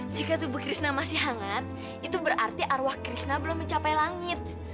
jika tubuh krishna masih hangat itu berarti arwah krishna belum mencapai langit